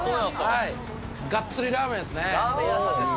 がっつりラーメンですね。